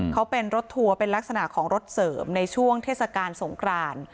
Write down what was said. เขาเป็นรถทัวร์เป็นลักษณะของรถเสริมในช่วงเทศกาลสงคราน